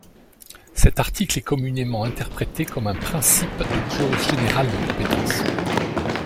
Cet article est communément interprété comme un principe de clause générale de compétence.